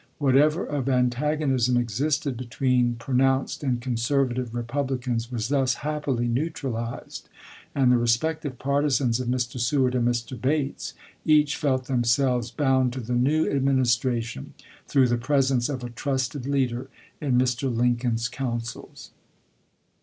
Whatever of antagonism existed between pronounced and con servative Republicans was thus happily neutralized, and the respective partisans of Mr. Seward and Mr. Bates each felt themselves bound to the new Administration through the presence of a trusted leader in Mr. Lincoln's councils.